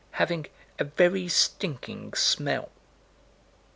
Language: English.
having "a very stinking smell."